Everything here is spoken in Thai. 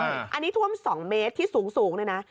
อันนี้ท่วม๒เมตรที่สูงเลยนะ